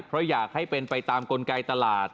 เพราะอยากให้เป็นไปตามกลไกตลาด